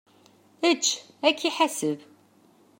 Ečč! Ad k-iḥaseb!